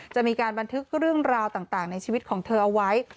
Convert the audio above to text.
จะมีการบันทึกเรื่องราวต่างในชีวิตของเธอเอาไว้